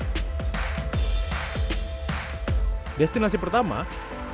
destinasi pertama saya akan menikmati kawasan kota tua yang berada di sisi barat kota jakarta